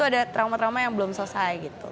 ada trauma trauma yang belum selesai gitu